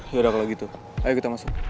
yaudah kalau gitu ayo kita masuk